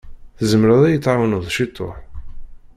Tzemreḍ ad yi-tεwawneḍ ciṭuḥ?